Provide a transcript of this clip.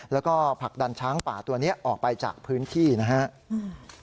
แล้วก็ผลักดันช้างป่าตัวนี้ออกไปจากพื้นที่นะครับ